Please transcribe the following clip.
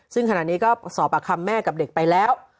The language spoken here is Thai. ซึ่งขณะนี้ก็สอบปากคำแม่กับเด็กไปแล้ว